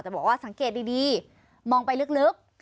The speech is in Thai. แต่บอกว่าสังเกตดีมองไปลึก